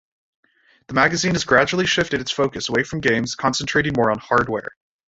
The magazine has gradually shifted its focus away from games, concentrating more on hardware.